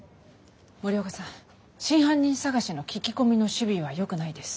森若さん真犯人捜しの聞き込みの首尾はよくないです。